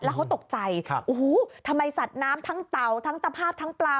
แล้วเขาตกใจโอ้โหทำไมสัตว์น้ำทั้งเต่าทั้งตะภาพทั้งปลา